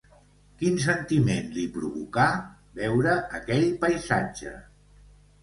Quin sentiment li provocà veure aquell paisatge?